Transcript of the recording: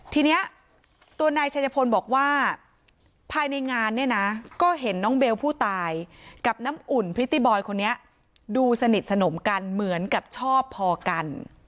ทีนี้ตัวนายชัยพลบอกว่าภายในงานเนี่ยนะก็เห็นน้องเบลผู้ตายกับน้ำอุ่นพริตตี้บอยคนนี้ดูสนิทสนมกันเหมือนกับชอบพอกัน